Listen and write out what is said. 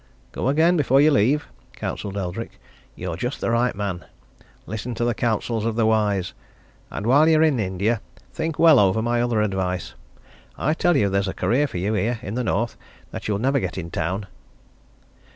"Go again before you leave," counselled Eldrick. "You're just the right man. Listen to the counsels of the wise! And while you're in India, think well over my other advice. I tell you there's a career for you, here in the North, that you'd never get in town."